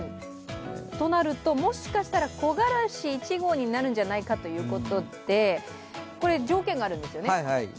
となると、もしかしたら木枯らし１号になるんじゃないかということで、条件があるんですよね。